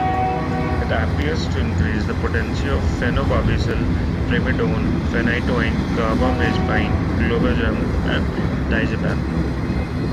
It appears to increase the potency of phenobarbital, primidone, phenytoin, carbamazepine, clobazam and diazepam.